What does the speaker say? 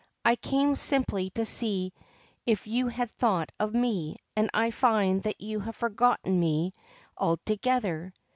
I came simply to see if you had thought of me, and I find that you have forgotten me altogether.'